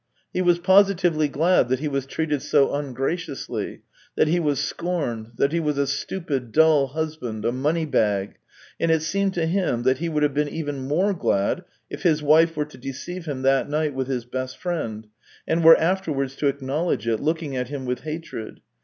He was positively glad that he was treated so ungraciously, that he was scorned, that he was a stupid, dull husband, a money bag ; and it seemed to him, that he would have been even more glad if his wife were to deceive him that night with liis best friend, and were afterwards to acknowledge it. looking at him with hatred.